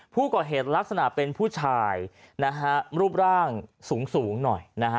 ลักษณะเป็นผู้ชายนะฮะรูปร่างสูงหน่อยนะฮะ